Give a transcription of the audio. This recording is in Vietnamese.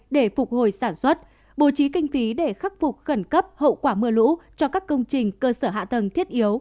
để phục hồi sản xuất bố trí kinh phí để khắc phục khẩn cấp hậu quả mưa lũ cho các công trình cơ sở hạ tầng thiết yếu